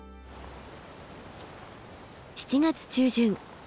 ７月中旬